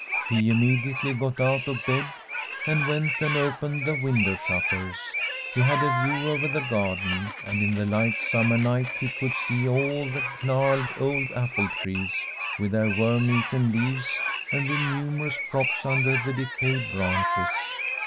He imme diately got out of bed and went and opened the window shutters. He had a view over the garden, and in the light summer night he could see all the gnarled old apple trees, with their worm eaten leaves, and with numerous props under the de cayed branches.